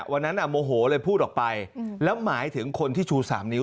วันนั้นโมโหเลยพูดออกไปแล้วหมายถึงคนที่ชู๓นิ้